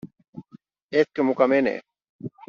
Etkö muka mene?